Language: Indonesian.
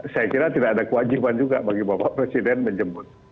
saya kira tidak ada kewajiban juga bagi bapak presiden menjemput